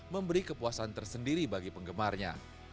memberi kepuasan tersendiri bagi penggemarnya